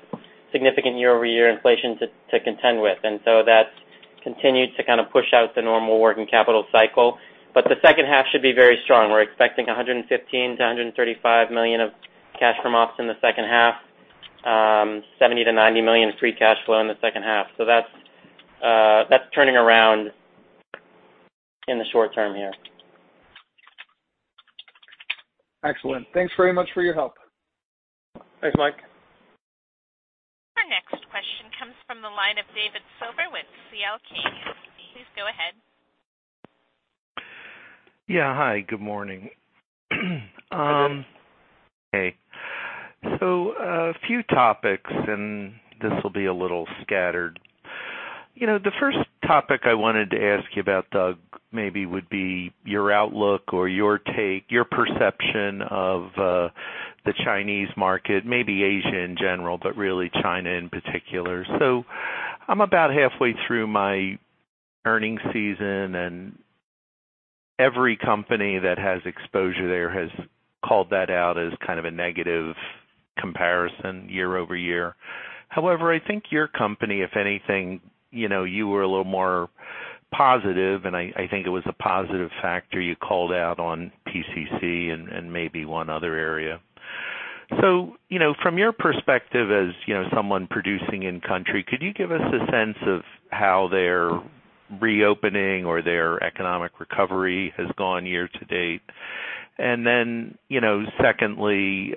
significant year-over-year inflation to, to contend with, and so that's continued to kind of push out the normal working capital cycle. The second half should be very strong. We're expecting $115 million-$135 million of cash from ops in the second half, $70 million-$90 million in free cash flow in the second half. That's turning around in the short term here. Excellent. Thanks very much for your help. Thanks, Mike. Our next question comes from the line of David Silver with CL King. Please go ahead. Yeah. Hi, good morning. Okay. A few topics, and this will be a little scattered. You know, the first topic I wanted to ask you about, Doug, maybe would be your outlook or your take, your perception of the Chinese market, maybe Asia in general, but really China in particular. I'm about halfway through my earnings season, and every company that has exposure there has called that out as kind of a negative comparison year-over-year. However, I think your company, if anything, you know, you were a little more positive, and I, I think it was a positive factor you called out on PCC and maybe one other area. You know, from your perspective as, you know, someone producing in country, could you give us a sense of how their reopening or their economic recovery has gone year-to-date? Then, you know, secondly,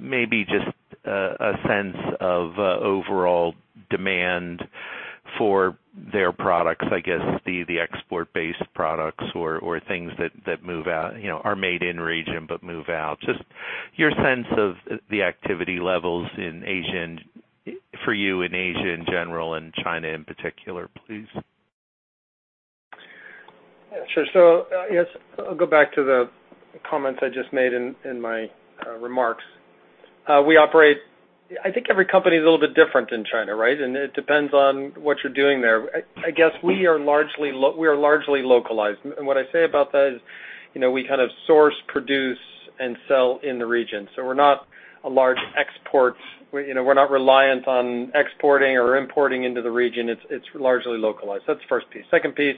maybe just a sense of overall demand for their products, I guess the export-based products or things that move out, you know, are made in region but move out. Just your sense of the activity levels for you in Asia in general and China in particular, please. Yes, I'll go back to the comments I just made in, in my remarks. We operate. I think every company is a little bit different in China, right? It depends on what you're doing there. I guess we are largely localized. What I say about that is, you know, we kind of source, produce, and sell in the region. We're not a large export. We, you know, we're not reliant on exporting or importing into the region. It's, it's largely localized. That's the first piece. Second piece,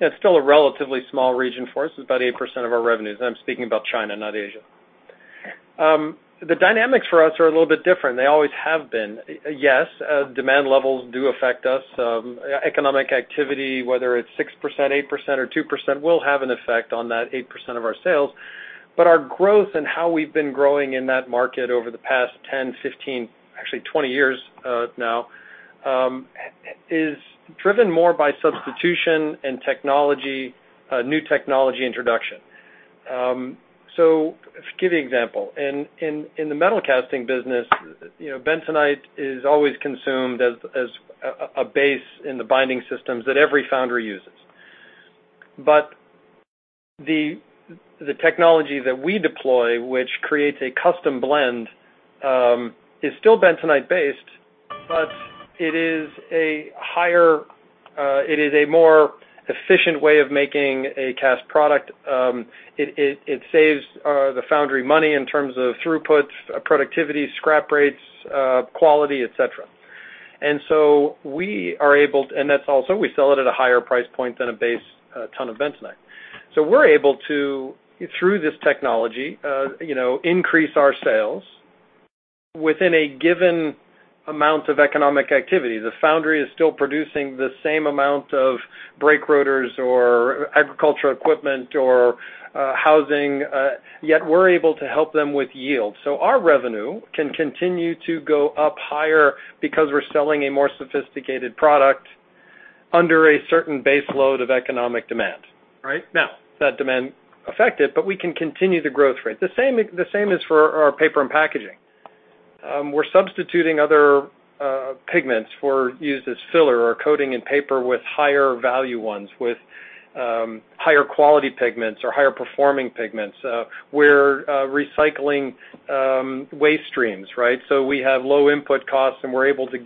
it's still a relatively small region for us. It's about 8% of our revenues. I'm speaking about China, not Asia. The dynamics for us are a little bit different. They always have been. Yes, demand levels do affect us. Economic activity, whether it's 6%, 8%, or 2%, will have an effect on that 8% of our sales. Our growth and how we've been growing in that market over the past 10, 15, actually 20 years, now, is driven more by substitution and technology, new technology introduction. Give you an example. In, in, in the metal casting business, you know, bentonite is always consumed as, as a, a base in the binding systems that every foundry uses. The, the technology that we deploy, which creates a custom blend, is still bentonite-based, but it is a higher, it is a more efficient way of making a cast product. It, it, it saves the foundry money in terms of throughput, productivity, scrap rates, quality, et cetera. We are able-- and that's also, we sell it at a higher price point than a base, ton of bentonite. We're able to, through this technology, you know, increase our sales within a given amount of economic activity. The foundry is still producing the same amount of brake rotors or agricultural equipment or, housing, yet we're able to help them with yield. Our revenue can continue to go up higher because we're selling a more sophisticated product under a certain base load of economic demand, right? Now, that demand affected, but we can continue the growth rate. The same, the same is for our paper and packaging. We're substituting other, pigments for used as filler or coating in paper with higher value ones, with, higher quality pigments or higher performing pigments. We're recycling, waste streams, right? We have low input costs, and we're able to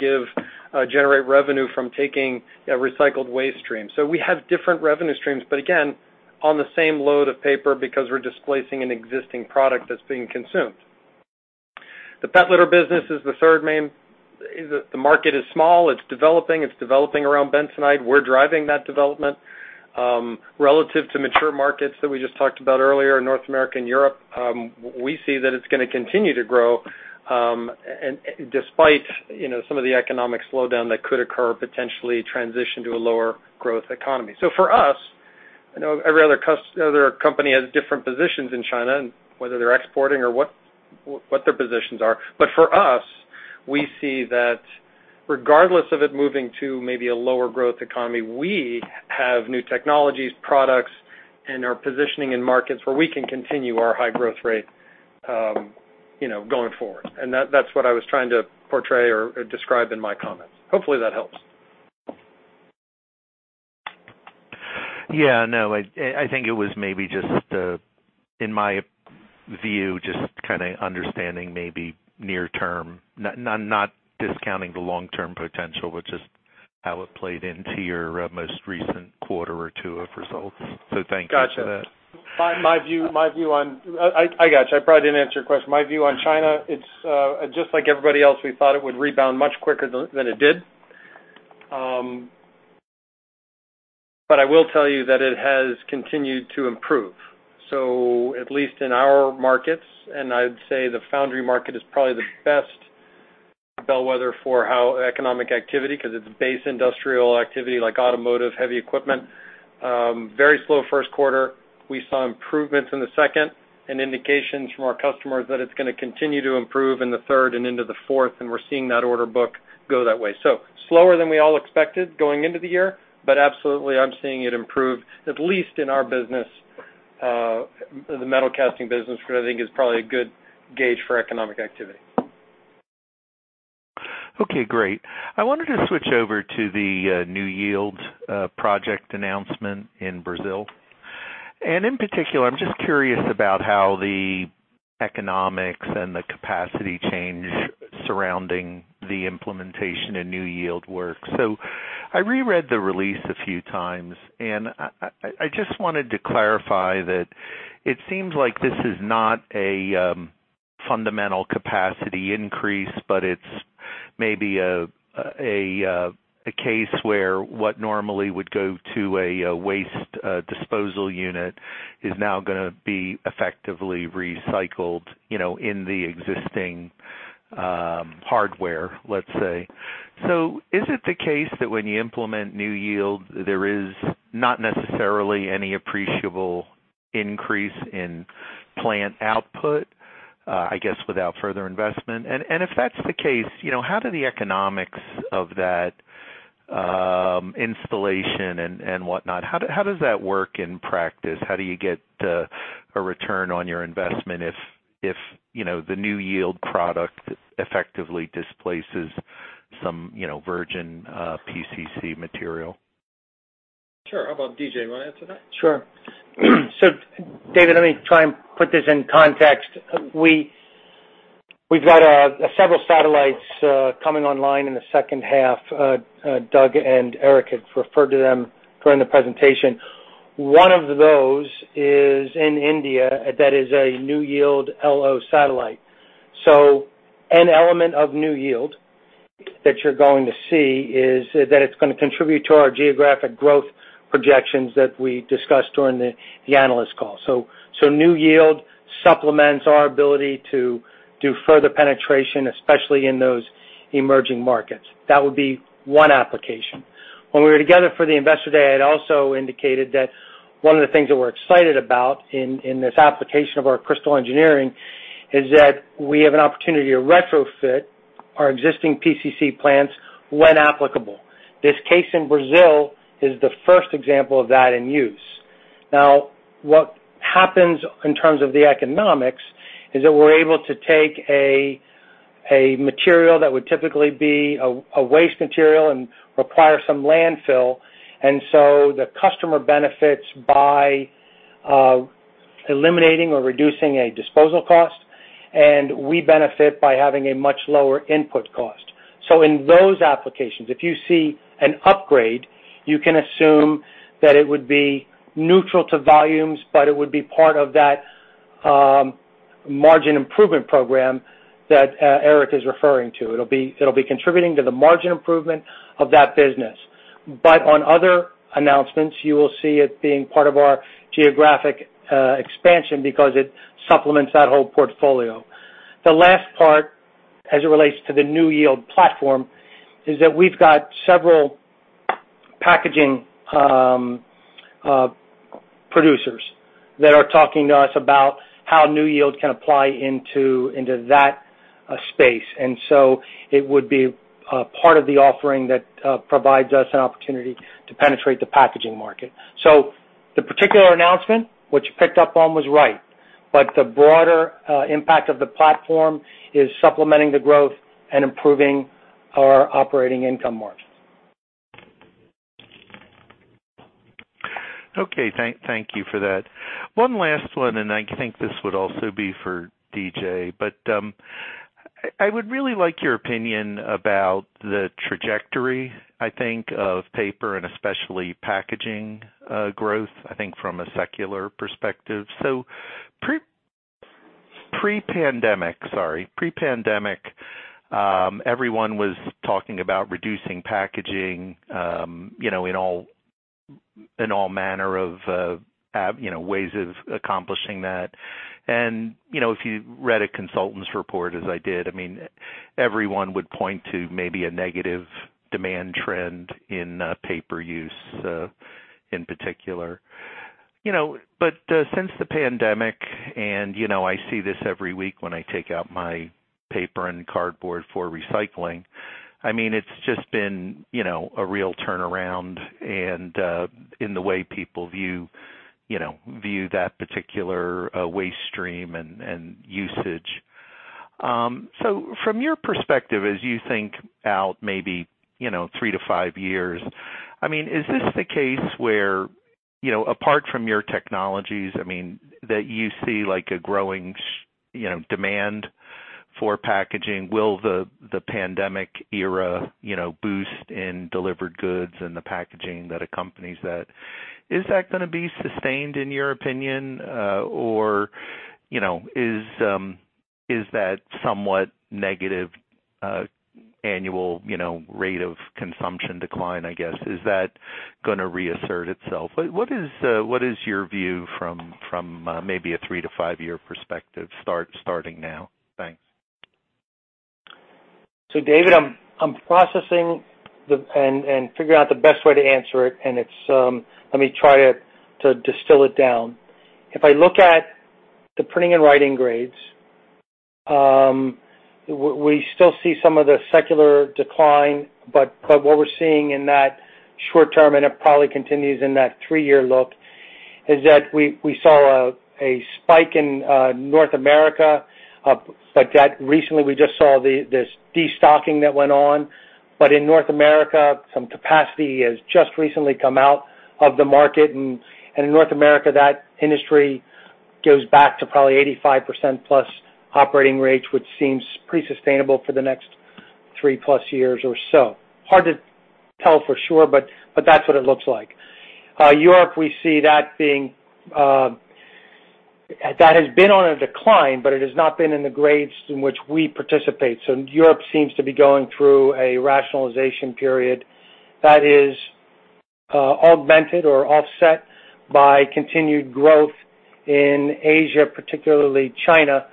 generate revenue from taking a recycled waste stream. We have different revenue streams, but again, on the same load of paper, because we're displacing an existing product that's being consumed. The pet litter business is the third main. The market is small, it's developing, it's developing around bentonite. We're driving that development. Relative to mature markets that we just talked about earlier, North America and Europe, we see that it's gonna continue to grow, and despite, you know, some of the economic slowdown that could occur, potentially transition to a lower growth economy. For us, I know every other company has different positions in China, and whether they're exporting or what their positions are. For us, we see that regardless of it moving to maybe a lower growth economy, we have new technologies, products, and are positioning in markets where we can continue our high growth rate, you know, going forward. That-that's what I was trying to portray or describe in my comments. Hopefully, that helps. Yeah, no, I, I think it was maybe just, in my view, just kind of understanding maybe near term, not, not discounting the long-term potential, but just how it played into your, most recent quarter or two of results. Thank you for that. Got you. I got you. I probably didn't answer your question. My view on China, it's just like everybody else, we thought it would rebound much quicker than it did. I will tell you that it has continued to improve. At least in our markets, and I'd say the foundry market is probably the best bellwether for how economic activity, because it's base industrial activity, like automotive, heavy equipment. Very slow first quarter. We saw improvements in the second and indications from our customers that it's gonna continue to improve in the third and into the fourth, and we're seeing that order book go that way. Slower than we all expected going into the year, but absolutely, I'm seeing it improve, at least in our business, the metal casting business, which I think is probably a good gauge for economic activity. Okay, great. I wanted to switch over to the NewYield project announcement in Brazil. In particular, I'm just curious about how the economics and the capacity change surrounding the implementation in NewYield work. I reread the release a few times, and I, I, I just wanted to clarify that it seems like this is not a fundamental capacity increase, but it's maybe a case where what normally would go to a waste disposal unit is now gonna be effectively recycled, you know, in the existing hardware, let's say. Is it the case that when you implement NewYield, there is not necessarily any appreciable increase in plant output, I guess, without further investment? If that's the case, you know, how do the economics of that, installation and, and whatnot, how does, how does that work in practice? How do you get, a return on your investment if, if, you know, the NewYield product effectively displaces some, you know, virgin, PCC material? Sure. How about DJ? You want to answer that? Sure. David, let me try and put this in context. We, we've got several satellites coming online in the second half. Doug and Eric had referred to them during the presentation. One of those is in India, that is a NewYield LO satellite. An element of New Yield that you're going to see is that it's gonna contribute to our geographic growth projections that we discussed during the analyst call. New Yield supplements our ability to do further penetration, especially in those emerging markets. That would be one application. When we were together for the Investor Day, I had also indicated that one of the things that we're excited about in this application of our Crystal Engineering, is that we have an opportunity to retrofit our existing PCC plants when applicable. This case in Brazil is the first example of that in use. What happens in terms of the economics is that we're able to take a material that would typically be a waste material and require some landfill, and so the customer benefits by eliminating or reducing a disposal cost, and we benefit by having a much lower input cost. In those applications, if you see an upgrade, you can assume that it would be neutral to volumes, but it would be part of that margin improvement program that Erik is referring to. It'll be contributing to the margin improvement of that business. On other announcements, you will see it being part of our geographic expansion because it supplements that whole portfolio. The last part, as it relates to the NewYield platform, is that we've got several packaging producers that are talking to us about how NewYield can apply into, into that space. It would be part of the offering that provides us an opportunity to penetrate the packaging market. The particular announcement, which you picked up on, was right, but the broader impact of the platform is supplementing the growth and improving our operating income margins. Okay, thank, thank you for that. One last one, and I think this would also be for DJ, but, I, I would really like your opinion about the trajectory, I think, of paper and especially packaging growth, I think, from a secular perspective. Pre-pandemic, sorry. Pre-pandemic, everyone was talking about reducing packaging, you know, in all, in all manner of, you know, ways of accomplishing that. You know, if you read a consultant's report, as I did, I mean, everyone would point to maybe a negative demand trend in paper use, in particular. You know, since the pandemic, and, you know, I see this every week when I take out my paper and cardboard for recycling, I mean, it's just been, you know, a real turnaround and, in the way people view, you know, view that particular waste stream and, and usage. From your perspective, as you think out maybe, you know, 3 to 5 years, I mean, is this the case where, you know, apart from your technologies, I mean, that you see, like, a growing, you know, demand for packaging? Will the, the pandemic era, you know, boost in delivered goods and the packaging that accompanies that, is that gonna be sustained, in your opinion, or, you know, is that somewhat negative, annual, you know, rate of consumption decline, I guess, is that gonna reassert itself? What is, what is your view from, from, maybe a 3-5 year perspective, starting now? Thanks. David, I'm, I'm processing and, and figuring out the best way to answer it, and it's. Let me try to, to distill it down. If I look at the printing and writing grades, we still see some of the secular decline. What we're seeing in that short term, and it probably continues in that three-year look, is that we, we saw a, a spike in North America, that recently, we just saw the, this destocking that went on. In North America, some capacity has just recently come out of the market. In North America, that industry goes back to probably 85% plus operating rates, which seems pretty sustainable for the next three-plus years or so. Hard to tell for sure. That's what it looks like. Europe, we see that being, that has been on a decline, but it has not been in the grades in which we participate. Europe seems to be going through a rationalization period that is augmented or offset by continued growth in Asia, particularly China,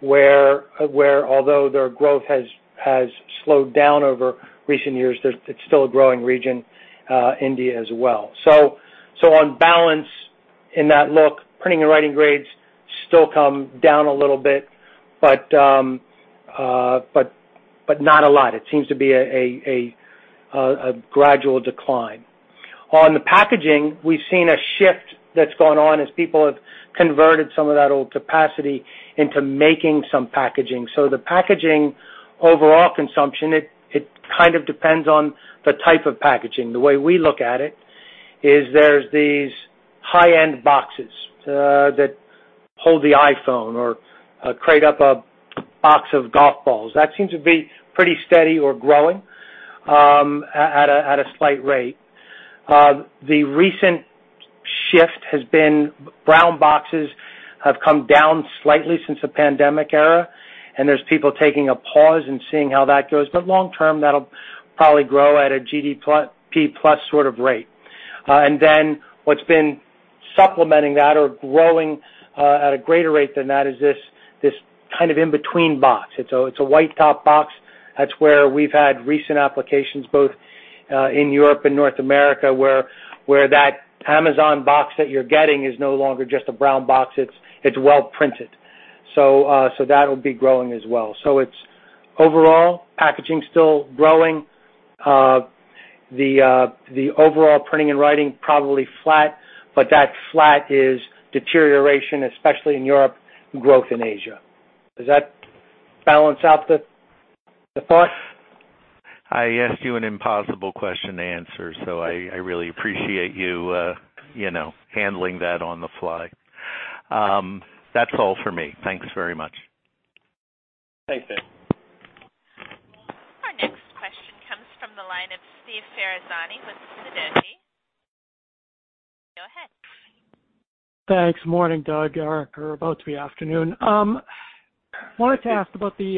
where, where although their growth has, has slowed down over recent years, it's still a growing region, India as well. On balance, in that look, printing and writing grades still come down a little bit, but not a lot. It seems to be a gradual decline. On the packaging, we've seen a shift that's gone on as people have converted some of that old capacity into making some packaging. The packaging overall consumption, it kind of depends on the type of packaging. The way we look at it is there's these high-end boxes that hold the iPhone or crate up a box of golf balls. That seems to be pretty steady or growing at a slight rate. The recent shift has been brown boxes have come down slightly since the pandemic era, and there's people taking a pause and seeing how that goes. Long term, that'll probably grow at a GDP plus sort of rate. Then what's been supplementing that or growing, at a greater rate than that is this, this kind of in-between box. It's a, it's a white top box. That's where we've had recent applications, both, in Europe and North America, where, where that Amazon box that you're getting is no longer just a brown box, it's, it's well printed. That will be growing as well. It's overall, packaging is still growing. The, the overall printing and writing, probably flat, but that flat is deterioration, especially in Europe, and growth in Asia. Does that balance out the, the thought? I asked you an impossible question to answer, so I, I really appreciate you, you know, handling that on the fly. That's all for me. Thanks very much. Thanks, Dave. Our next question comes from the line of Steve Ferazani with Credit Suisse. Go ahead. Thanks. Morning, Doug, Eric, or about to be afternoon. Wanted to ask about the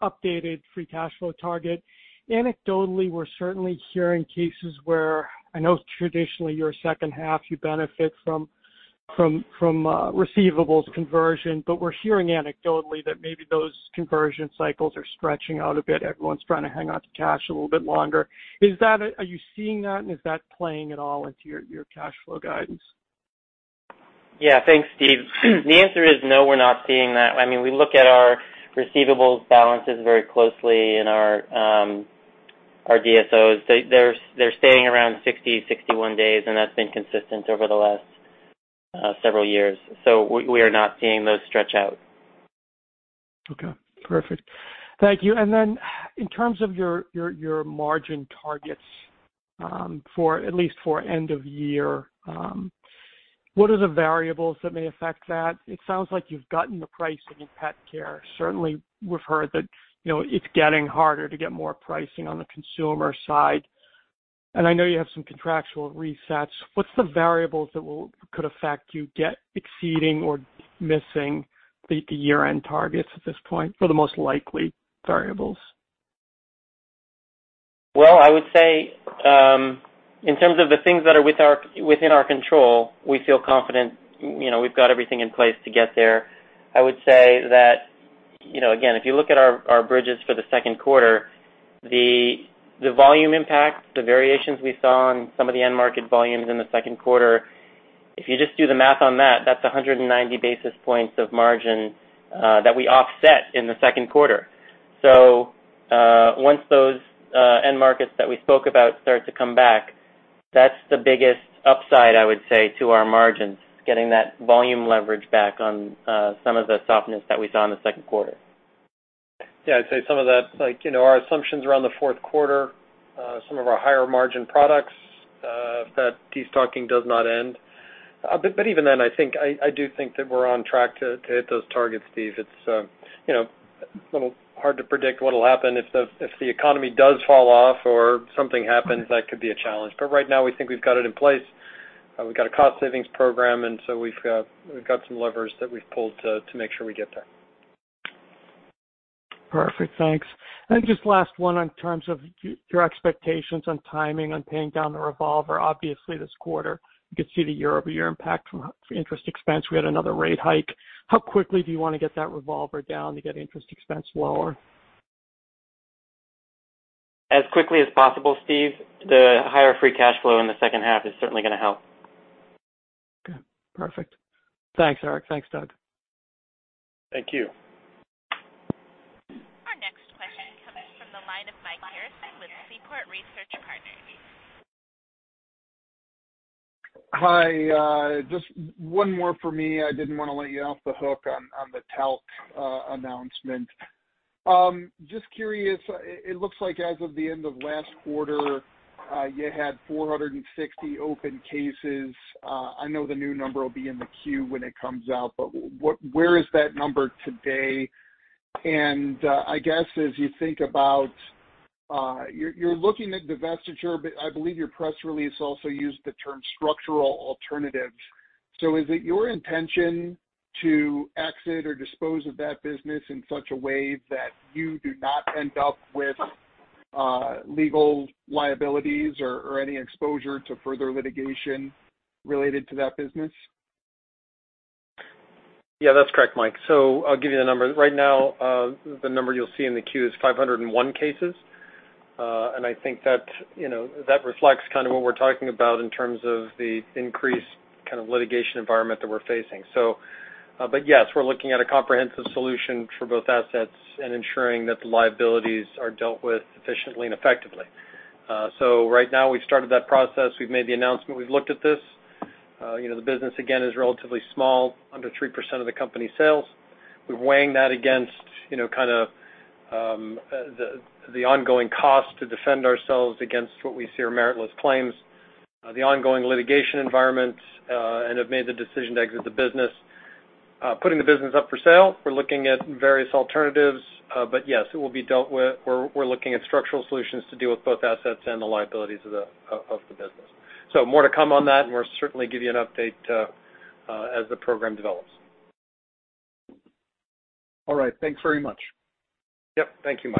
updated free cash flow target. Anecdotally, we're certainly hearing cases where I know traditionally, you're a second half, you benefit from, from, from receivables conversion, but we're hearing anecdotally that maybe those conversion cycles are stretching out a bit. Everyone's trying to hang on to cash a little bit longer. Is that are you seeing that? Is that playing at all into your, your cash flow guidance? Yeah, thanks, Steve. The answer is no, we're not seeing that. I mean, we look at our receivables balances very closely in our, our DSO. They're, they're staying around 60, 61 days, and that's been consistent over the last several years. We, we are not seeing those stretch out. Okay, perfect. Thank you. In terms of your, your, your margin targets, for at least for end of year, what are the variables that may affect that? It sounds like you've gotten the pricing in pet care. Certainly, we've heard that, you know, it's getting harder to get more pricing on the consumer side, and I know you have some contractual resets. What's the variables that could affect you get exceeding or missing the, the year-end targets at this point, or the most likely variables? Well, I would say, in terms of the things that are within our control, we feel confident, you know, we've got everything in place to get there. I would say that, you know, again, if you look at our, our bridges for the second quarter, the volume impact, the variations we saw on some of the end market volumes in the second quarter, if you just do the math on that, that's 190 basis points of margin that we offset in the second quarter. Once those end markets that we spoke about start to come back, that's the biggest upside, I would say, to our margins, getting that volume leverage back on some of the softness that we saw in the second quarter. Yeah, I'd say some of that, like, you know, our assumptions around the fourth quarter, some of our higher margin products, if that destocking does not end. Even then, I think, I, I do think that we're on track to, to hit those targets, Steve. It's, you know, a little hard to predict what'll happen if the, if the economy does fall off or something happens, that could be a challenge. Right now, we think we've got it in place. We've got a cost savings program, we've got, we've got some levers that we've pulled to, to make sure we get there. Perfect. Thanks. And just last one on terms of your expectations on timing on paying down the revolver. Obviously, this quarter, you could see the year-over-year impact from interest expense. We had another rate hike. How quickly do you want to get that revolver down to get interest expense lower? As quickly as possible, Steve. The higher free cash flow in the second half is certainly going to help. Okay, perfect. Thanks, Eric. Thanks, Doug. Thank you. Our next question comes from the line of Mike Harrison with Seaport Research Partners. Hi, just one more for me. I didn't want to let you off the hook on, on the talc announcement. Just curious, it looks like as of the end of last quarter, you had 460 open cases. I know the new number will be in the queue when it comes out, but where is that number today? I guess as you think about, you're looking at divestiture, but I believe your press release also used the term structural alternative. Is it your intention to exit or dispose of that business in such a way that you do not end up with legal liabilities or any exposure to further litigation related to that business? Yeah, that's correct, Mike. I'll give you the number. Right now, the number you'll see in the queue is 501 cases. I think that, you know, that reflects kind of what we're talking about in terms of the increased kind of litigation environment that we're facing. Yes, we're looking at a comprehensive solution for both assets and ensuring that the liabilities are dealt with efficiently and effectively. Right now, we've started that process. We've made the announcement. We've looked at this. You know, the business, again, is relatively small, under 3% of the company's sales. We're weighing that against, you know, kind of, the, the ongoing cost to defend ourselves against what we see are meritless claims, the ongoing litigation environment, and have made the decision to exit the business. Putting the business up for sale, we're looking at various alternatives, but yes, it will be dealt with. We're looking at structural solutions to deal with both assets and the liabilities of the business. More to come on that, and we'll certainly give you an update, as the program develops. All right. Thanks very much. Yep. Thank you, Mike.